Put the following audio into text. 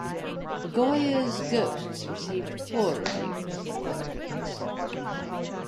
"Goya's Ghosts" received poor reviews from critics.